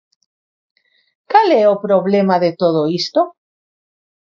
¿Cal é o problema de todo isto?